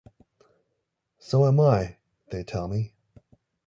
So am I, they tell me.